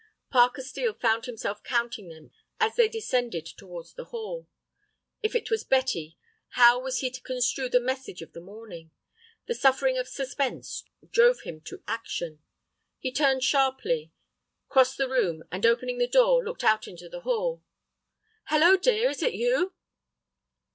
Parker Steel found himself counting them as they descended towards the hall. If it was Betty, how was he to construe the message of the morning? The suffering of suspense drove him to action. He turned sharply, crossed the room, and, opening the door, looked out into the hall. "Hallo, dear, is it you?"